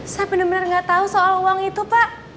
saya bener bener gak tahu soal uang itu pak